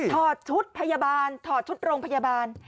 ชุดพยาบาลถอดชุดโรงพยาบาล